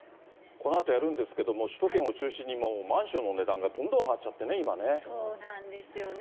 このあとやるんですけれども、首都圏を中心に、マンションの値段がどんどん上がっちゃってね、そうなんですよね、